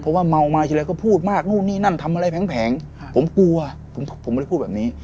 เพราะว่าเมามาทีแรกก็พูดมากนู่นนี่นั่นทำอะไรแผงผมกลัวผมไม่ได้พูดแบบนี้